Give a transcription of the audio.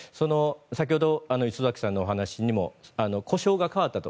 先ほど礒崎さんのお話にも呼称が変わったと。